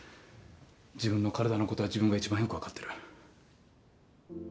自分の体のことは自分が一番よくわかってる。